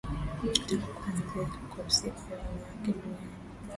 tangu kuanza kwa siku ya wanawake duniani